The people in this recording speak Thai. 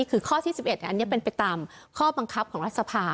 ข้อที่๔๑เป็นไปตามข้อบังคับของรัฐศภา